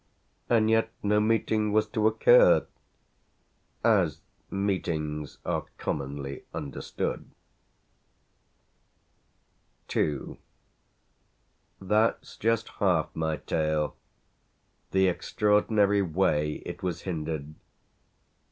And yet no meeting was to occur as meetings are commonly understood. II That's just half my tale the extraordinary way it was hindered.